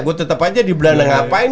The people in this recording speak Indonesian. gue tetep aja di belanda ngapain